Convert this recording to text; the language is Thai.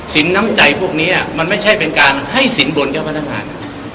น้ำใจพวกนี้มันไม่ใช่เป็นการให้สินบนเจ้าพนักงาน